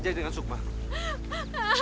agar satu hari